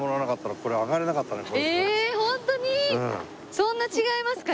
そんな違いますか？